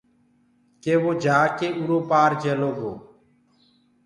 ڪي ڪي وو جآڪي اُرو پآر چيلو گو۔